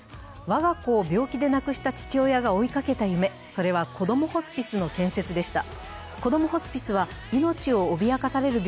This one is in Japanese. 我が子を病気で亡くした父親が追いかけた夢、それはこどもホスピスの建設でした。